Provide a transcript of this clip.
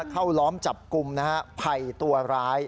เข้าล้อมจับกลุ่มนะฮะไผ่ตัวร้าย